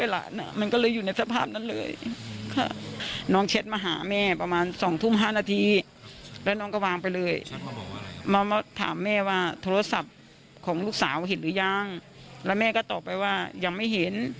ลูกสาวเห็นหรือยังและแม่ก็ตอบไปว่ายังไม่เห็น